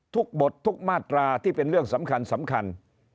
บททุกมาตราที่เป็นเรื่องสำคัญ